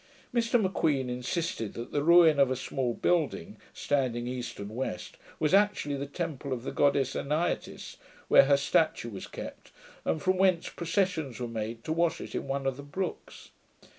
Mr M'Queen insisted that the ruin of a small building, standing east and west, was actually the temple of the goddess Anaitis, where her statue was kept, and from whence processions were made to wash it in one of the brooks.